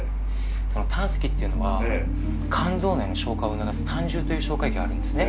その胆石っていうのは肝臓内の消化を促す胆汁という消化液があるんですね。